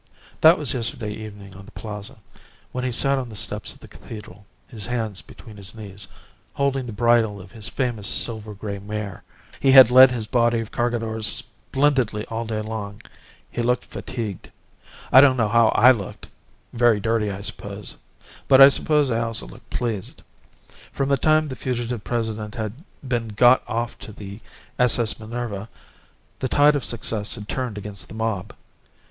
"That was yesterday evening on the Plaza, while he sat on the steps of the cathedral, his hands between his knees, holding the bridle of his famous silver grey mare. He had led his body of Cargadores splendidly all day long. He looked fatigued. I don't know how I looked. Very dirty, I suppose. But I suppose I also looked pleased. From the time the fugitive President had been got off to the S. S. Minerva, the tide of success had turned against the mob.